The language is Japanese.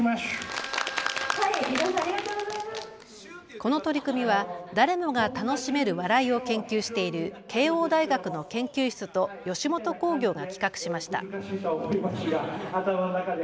この取り組みは誰もが楽しめる笑いを研究している慶応大学の研究室と吉本興業が企画しました。